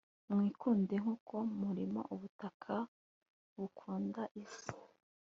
Wikunde nkuko mumirima ubutaka bukunda isi